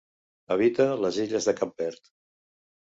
Habita les illes de Cap Verd.